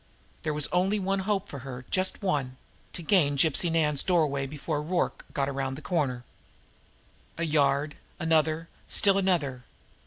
There was only one hope for her just one to gain Gypsy Nan's doorway before Rorke got around the corner. A yard another still another!